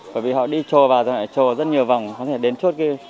bởi vì họ đi trồ vào rồi lại trồ rất nhiều vòng có thể đến chốt kia